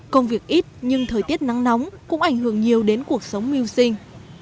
công việc ít nhưng thời tiết nắng nóng cũng ảnh hưởng nhiều đến cuộc sống mưu sinh